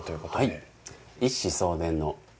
はい。